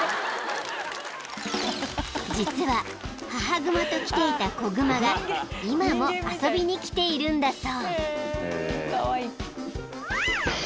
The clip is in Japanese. ［実は母熊と来ていた子熊が今も遊びに来ているんだそう］